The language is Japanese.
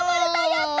やった！